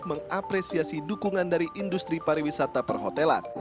mengapresiasi dukungan dari industri pariwisata perhotelan